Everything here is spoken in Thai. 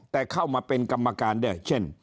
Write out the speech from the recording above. แต่เข้ามาเป็นกรรมการเนี่ยเช่น